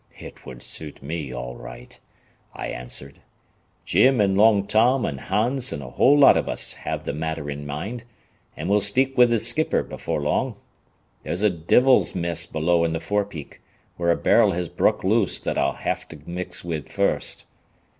"It would suit me all right," I answered. "Jim and Long Tom an' Hans an' a whole lot av us have th' matter in mind, an' we'll speak wid th' skipper afore long. There's a divil's mess below in th' fore peak, where a barrel has bruk loose that I'll have to mix wid first.